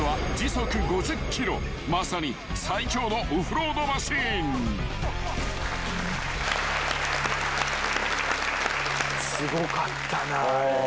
［まさに最強のオフロードマシン］すごかったな。